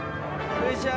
こんにちは。